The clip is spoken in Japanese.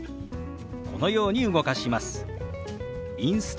このように動かします。